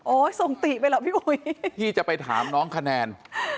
โอ้ยส่งติไปแล้วพี่อุ้ยที่จะไปถามน้องคะแนน